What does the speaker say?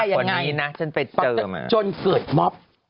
ปักกิงนี้หนักกว่านี้นะฉันไปเจอมา